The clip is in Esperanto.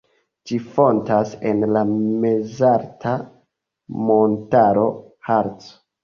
Ĝi fontas en la mezalta montaro Harco.